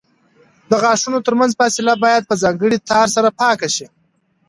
د غاښونو ترمنځ فاصله باید په ځانګړي تار سره پاکه شي.